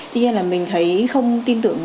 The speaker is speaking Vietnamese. tuy nhiên là mình thấy không tin tưởng